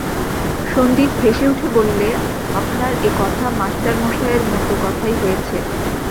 সন্দীপ হেসে উঠে বললে, আপনার এ কথা মাস্টারমশায়ের মতো কথাই হয়েছে।